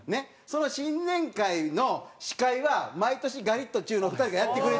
その新年会の司会は毎年ガリットチュウの２人がやってくれてた。